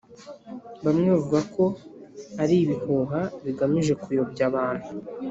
bamwe bavuga ko ari ibihuha bigamije kuyobya abantu.